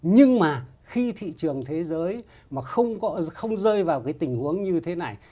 nhưng mà khi thị trường thế giới mà không rơi vào cái tình huống như thế này